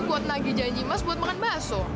buat nagih janji mas buat makan baso